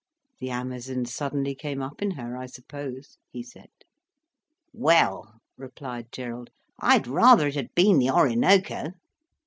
"The Amazon suddenly came up in her, I suppose," he said. "Well," replied Gerald, "I'd rather it had been the Orinoco."